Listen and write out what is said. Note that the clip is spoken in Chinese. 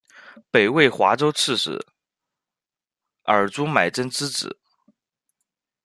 北魏华州刺史尔朱买珍之子。